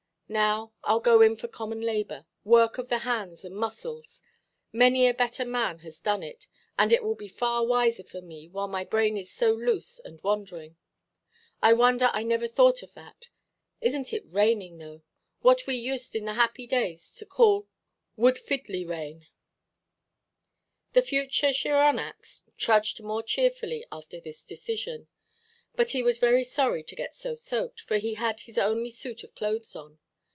Now Iʼll go in for common labour, work of the hands and muscles; many a better man has done it; and it will be far wiser for me while my brain is so loose and wandering. I wonder I never thought of that. Isnʼt it raining, though! What we used, in the happy days, to call 'Wood Fidley rainʼ". The future chironax trudged more cheerfully after this decision. But he was very sorry to get so soaked, for he had his only suit of clothes on.